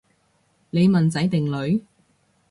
你問仔定女？